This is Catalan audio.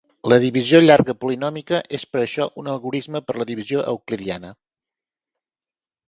La divisió llarga polinòmica és per això un algorisme per la divisió Euclidiana.